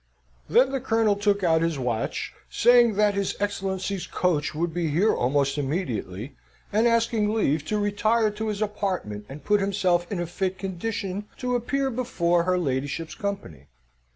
Then the Colonel took out his watch, saying that his Excellency's coach would be here almost immediately, and asking leave to retire to his apartment, and put himself in a fit condition to appear before her ladyship's company.